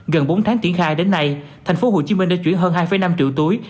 gần bốn tháng triển khai đến nay tp hcm đã chuyển hơn hai năm triệu túi